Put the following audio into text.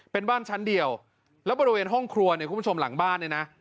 เป็นบ้านชั้นเดียวแล้วบริเวณห้องครัวเนี่ยคุณผู้ชมหลังบ้านเนี่ยนะ